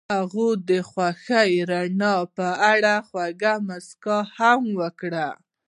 هغې د خوښ رڼا په اړه خوږه موسکا هم وکړه.